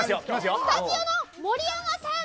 スタジオの盛山さん。